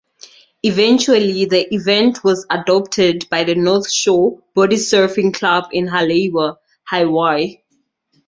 Eventually, the event was adopted by the North Shore Bodysurfing Club in Haleiwa, Hawaii.